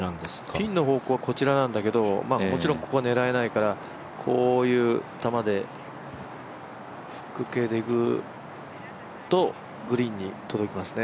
ピンの方向はこちらなんだけど、もちろんここは狙えないからこういう球でフック系でいくと、グリーンに届きますね。